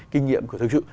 kinh nghiệm của thực sự